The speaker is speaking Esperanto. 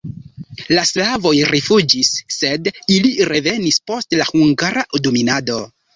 La slavoj rifuĝis, sed ili revenis post la hungara dominado.